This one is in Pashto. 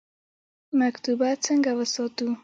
مکتبونه څنګه وساتو؟